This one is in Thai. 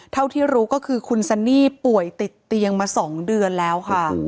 เท่าที่รู้ก็คือคุณซันนี่ป่วยติดเตียงมา๒เดือนแล้วค่ะ